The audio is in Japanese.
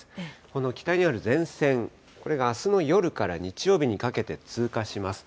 この北にある前線、これがあすの夜から日曜日にかけて通過します。